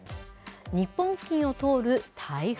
日本付近を通る台風。